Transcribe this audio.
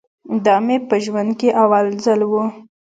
دا مې په ژوند کښې اول ځل و.